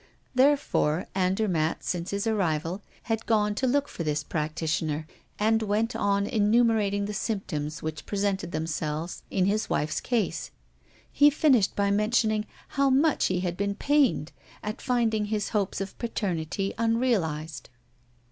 Therefore, Andermatt, since his arrival, had gone to look for this practitioner, and went on enumerating the symptoms which presented themselves in his wife's case. He finished by mentioning how much he had been pained at finding his hopes of paternity unrealized.